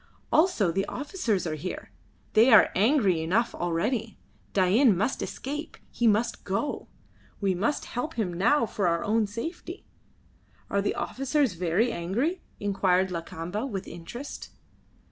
Also the officers are here. They are angry enough already. Dain must escape; he must go. We must help him now for our own safety." "Are the officers very angry?" inquired Lakamba, with interest.